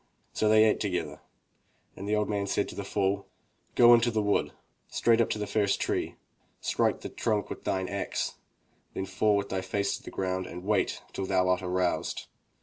So they ate together and the old man said to the fool: "Go into the wood, straight up to the first tree. Strike the trunk with thine axe, then fall with thy face to the ground and wait till thou art aroused.